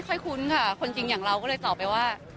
แล้วเราเรียกเขาว่าไง